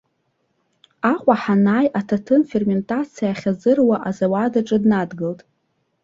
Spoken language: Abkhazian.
Аҟәа ҳанааи, аҭаҭын ферментациа ахьазыруа азауад аҿы дныдгылт.